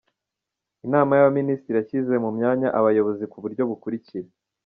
Inama y’Abaminisitiri yashyize mu myanya Abayobozi ku buryo bukurikira :